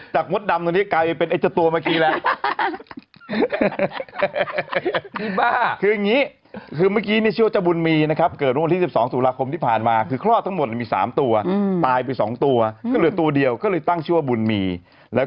มดดำตอนนี้กลายเป็นไอ้เจ้าตัวเมื่อกี้แล้ว